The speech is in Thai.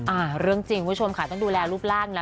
อ่าเรื่องจริงคุณผู้ชมค่ะต้องดูแลรูปร่างนะ